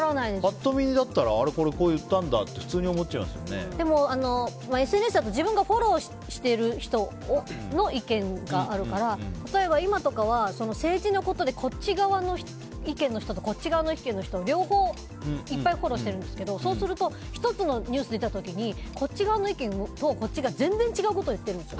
パッと見だったらこう言ったんだってＳＮＳだと自分がフォローしてる人の意見があるから例えば今とかは政治のことでこっち側の意見の人とこっち側の意見の人両方、いっぱいフォローしているんですけどそうすると１つのニュース出た時にこっち側の意見とこっちが全然違うことを言っているんです。